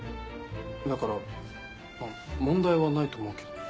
だから問題はないと思うけど。